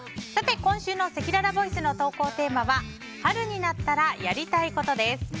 今週のせきららボイスの投稿テーマは春になったらやりたいことです。